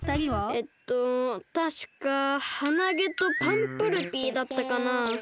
えっとたしかハナゲとパンプルピーだったかな。